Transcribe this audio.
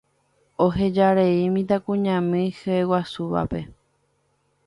Ohejarei mitãkuñami hyeguasúvape.